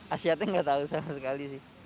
asiatnya nggak tahu sama sekali sih